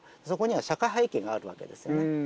そこには社会背景があるわけですよね。